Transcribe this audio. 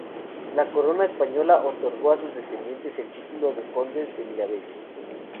La corona española otorgó a sus descendientes el título de Condes de Miravalle.